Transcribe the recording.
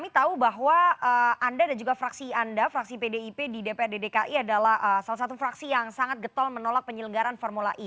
kami tahu bahwa anda dan juga fraksi anda fraksi pdip di dprd dki adalah salah satu fraksi yang sangat getol menolak penyelenggaran formula e